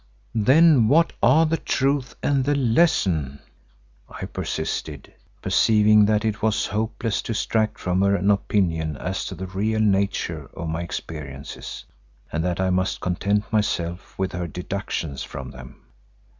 "Then what are the truth and the lesson?" I persisted, perceiving that it was hopeless to extract from her an opinion as to the real nature of my experiences and that I must content myself with her deductions from them.